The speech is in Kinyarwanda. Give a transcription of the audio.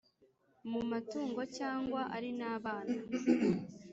mu matungo cyangwa ari n’abana.